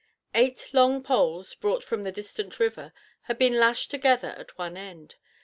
Eight long poles, brought from the distant river, had been lashed together at one end.